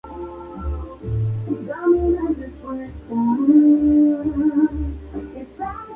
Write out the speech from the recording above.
Estos son los títulos ganados por el equipo en su historia.